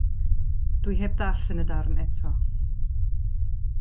Dwi heb ddarllen y darn eto.